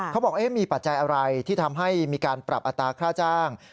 เขาบอกมีปัจจัยอะไรที่ทำให้มีการปรับอัตราค่าจ้าง